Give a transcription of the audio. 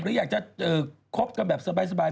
หรืออยากจะคบกันแบบสบาย